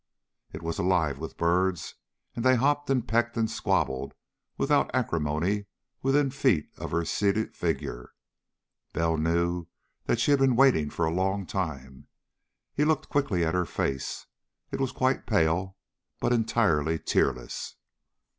It was alive with birds, and they hopped and pecked and squabbled without acrimony within feet of her seated figure. Bell knew that she had been waiting for a long time. He looked quickly at her face. It was quite pale, but entirely tearless.